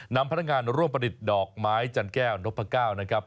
นำพนักงานร่วมประดิษฐ์ดอกไม้จันแก้วนพก้าวนะครับ